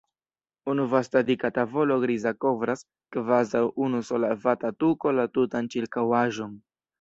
Unu vasta dika tavolo griza kovras kvazaŭ unu sola vata tuko la tutan ĉirkaŭaĵon.